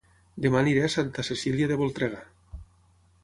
Dema aniré a Santa Cecília de Voltregà